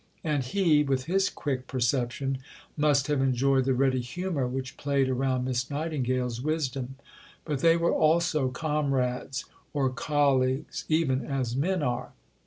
And he, with his quick perception, must have enjoyed the ready humour which played around Miss Nightingale's wisdom. But they were also comrades or colleagues even as men are.